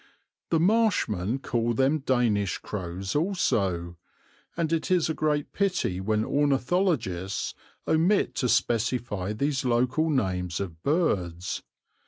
The marshmen call them Danish crows also, and it is a great pity when ornithologists omit to specify these local names of birds.